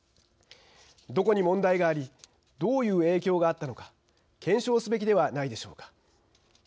どこに問題がありどういう影響があったのか検証すべきではないでしょうか。